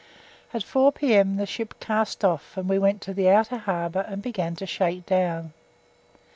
At 4 p.m. the ship cast off, and we went to the outer harbour and began to shake down.